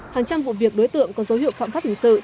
hàng trăm vụ việc đối tượng có dấu hiệu phạm pháp hình sự